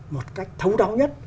một cách thấu đáo nhất